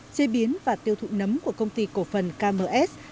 chế biến và tiêu thụ nấm của công ty cổ phần km